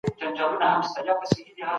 زه به ږغ اورېدلی وي.